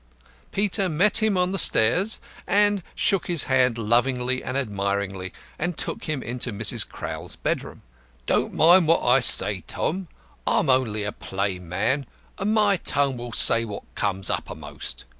Peter met him on the stairs and shook his hand lovingly and admiringly, and took him into Mrs. Crowl's bedroom. "Don't mind what I say, Tom. I'm only a plain man, and my tongue will say what comes uppermost!